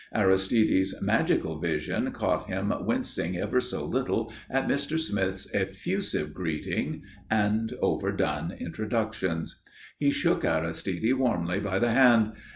Aristide's magical vision caught him wincing ever so little at Mr. Smith's effusive greeting and overdone introductions. He shook Aristide warmly by the hand.